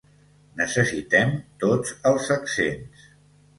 Necessitem tots els accents.